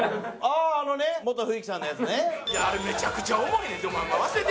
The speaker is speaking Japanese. あれめちゃくちゃ重いねんて。